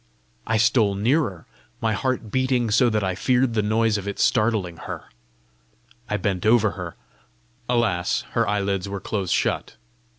I stole nearer, my heart beating so that I feared the noise of it startling her. I bent over her. Alas, her eyelids were close shut!